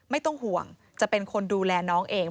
ไม่ต้องห่วงจะเป็นคนดูแลน้องเอง